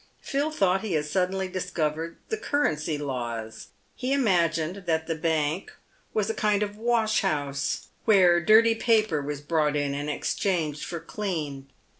Phil thought he had suddenly dis covered the currency laws. He imagined that the bank was a kind 210 PAYED WITH GOLD. of wash house, where dirty paper was brought in and exchanged for clean.